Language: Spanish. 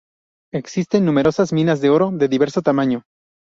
Existen numerosas minas de oro de diverso tamaño.